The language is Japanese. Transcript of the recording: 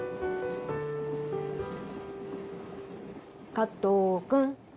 加藤君。